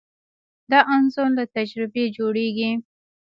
دا انځور له تجربې جوړېږي.